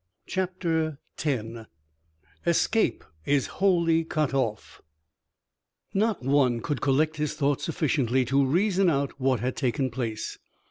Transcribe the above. CHAPTER X ESCAPE IS WHOLLY CUT OFF Not one could collect his thoughts sufficiently to reason out what had taken place.